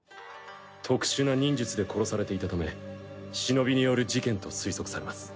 特殊な忍術で殺されていたため忍による事件と推測されます。